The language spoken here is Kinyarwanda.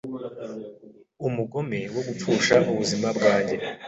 umugome wo gupfusha ubuzima bwanjye